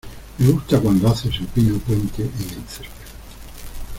Me gusta cuando haces el pino puente en el césped.